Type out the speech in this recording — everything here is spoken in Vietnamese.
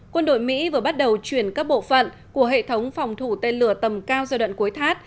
quân đội mỹ vừa bắt đầu chuyển các bộ phận của hệ thống phòng thủ tên lửa tầm cao giai đoạn cuối thắt